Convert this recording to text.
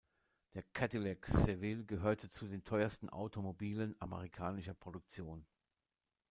Der Cadillac Seville gehörte zu den teuersten Automobilen amerikanischer Produktion.